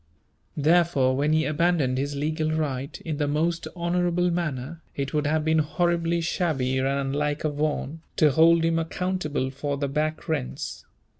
Therefore, when he abandoned his legal right, in the most honourable manner, it would have been horribly shabby and unlike a Vaughan, to hold him accountable for the back rents.